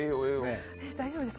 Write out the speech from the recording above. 大丈夫ですか？